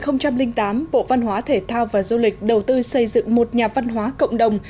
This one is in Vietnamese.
năm hai nghìn tám bộ văn hóa thể thao và du lịch đầu tư xây dựng một nhà văn hóa cộng đồng